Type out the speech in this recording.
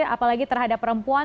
apalagi terhadap perempuan